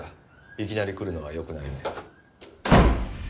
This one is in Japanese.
いきなり来るのはよくないね。